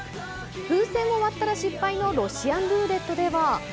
風船を割ったら失敗のロシアンルーレットでは。